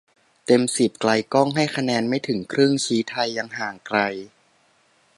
เต็มสิบ "ไกลก้อง" ให้คะแนนไม่ถึงครึ่ง ชี้ไทยยังห่างไกล